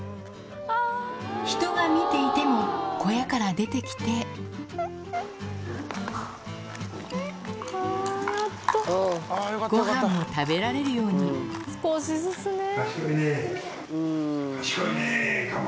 人が見ていても小屋から出て来てごはんも食べられるように少しずつね。